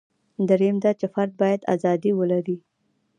درېیم دا چې فرد باید ازادي ولري.